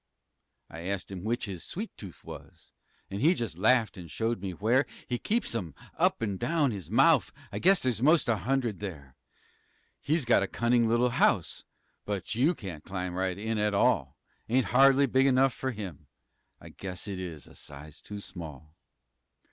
I ast him which his sweet toof was, An' he jus' laffed an' showed me where He keeps um, up an' down his mouf (I guess there's mos' a hundred there). He's got a cunning little house, But you can't climb right in, at all Ain't hardly big enough for him; I guess it is a size too small.